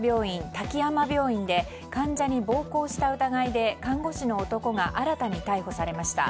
滝山病院で患者に暴行した疑いで看護師の男が新たに逮捕されました。